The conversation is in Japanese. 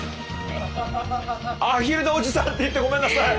アヒルのおじさんって言ってごめんなさい！